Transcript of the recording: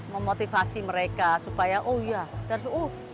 memotivasi mereka supaya oh iya terus oh oh iya